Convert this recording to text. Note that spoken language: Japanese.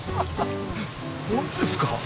本当ですか？